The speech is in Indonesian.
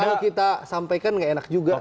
kalau kita sampaikan gak enak juga